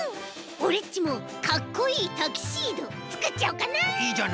オレっちもかっこいいタキシードつくっちゃおうかな。